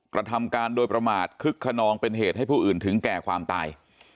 กระทำการโดยประมาทคึกขนองเป็นเหตุให้ผู้อื่นถึงแก่ความตาย